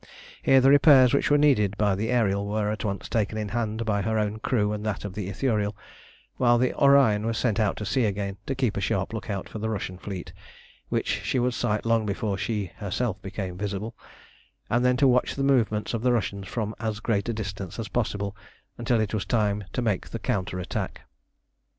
Here the repairs which were needed by the Ariel were at once taken in hand by her own crew and that of the Ithuriel, while the Orion was sent out to sea again to keep a sharp look out for the Russian fleet, which she would sight long before she herself became visible, and then to watch the movements of the Russians from as great a distance as possible until it was time to make the counter attack.